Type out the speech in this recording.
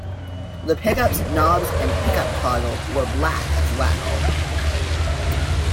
The pickups, knobs and pickup toggle were black as well.